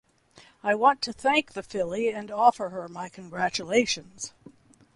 I want to thank the filly and offer her my congratulations.